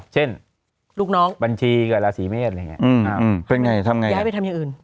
เช่นบัญชีเกิดราศรีเมฆเป็นไงทำไงย้ายไปทำอย่างอื่น